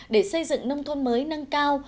để xây dựng nông thôn mới nâng cao